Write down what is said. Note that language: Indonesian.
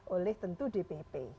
oleh tentu dpp